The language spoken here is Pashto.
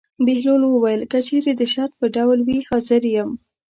بهلول وویل: که چېرې د شرط په ډول وي حاضر یم.